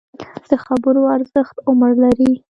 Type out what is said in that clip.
د خبرو ارزښت عمر لري